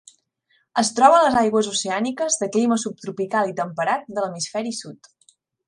Es troba a les aigües oceàniques de clima subtropical i temperat de l'hemisferi sud.